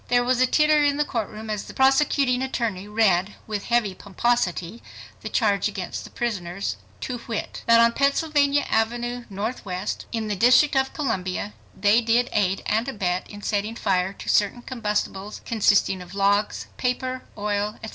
There was a titter in the court room as the prosecuting attorney read with heavy pomposity the charge against the prisoners "to wit: That on Pennsylvania Avenue, Northwest, in the District of Columbia they did aid and abet in setting fire to certain combustibles consisting of logs, paper, oil, etc.